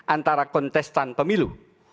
antara kontestan pemilu